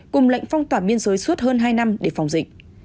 cùng lệnh phong tỏa biên giới suốt hơn hai năm để phòng dịch